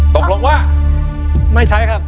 ตกลงว่าไม่ใช้ครับ